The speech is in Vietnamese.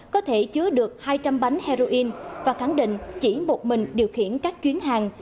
có thể chứa được hai trăm linh bánh heroin và khẳng định chỉ một mình điều khiển các chuyến hàng